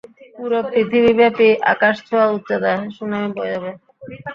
পুরো পৃথিবীব্যাপি আকাশছোঁয়া উচ্চতায় সুনামি বয়ে যাবে!